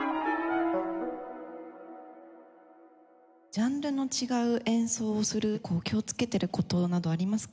ジャンルの違う演奏をする気をつけてる事などありますか？